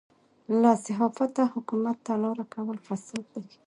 له صحافته حکومت ته لاره کول فساد دی.